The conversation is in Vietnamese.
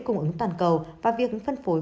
cung ứng toàn cầu và việc phân phối